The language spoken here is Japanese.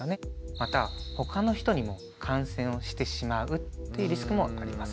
またほかの人にも感染をしてしまうっていうリスクもあります。